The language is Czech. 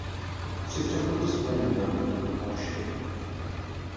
Při přechodu směrem na východ opačně.